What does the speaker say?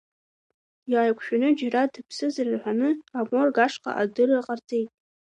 Иааиқәшәаны џьара дыԥсызар рҳәан, аморг ашҟа адырра ҟарҵеит.